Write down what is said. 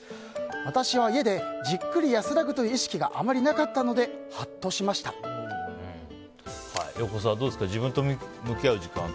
私は家でじっくり安らぐという意識があまりなかったので横澤、どうですか？